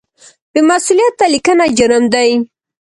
بې مسؤلیته لیکنه جرم دی.